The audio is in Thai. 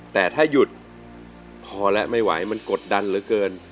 แต่ถ้าหยุดพอและไม่ไหวมันกดดันเหลือเกิน